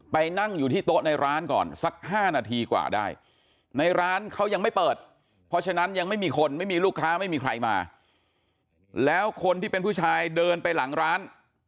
นั่งอยู่ที่โต๊ะในร้านก่อนสัก๕นาทีกว่าได้ในร้านเขายังไม่เปิดเพราะฉะนั้นยังไม่มีคนไม่มีลูกค้าไม่มีใครมาแล้วคนที่เป็นผู้ชายเดินไปหลังร้าน